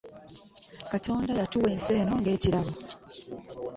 Katonda yatuwa ensi eno ng'ekirabo.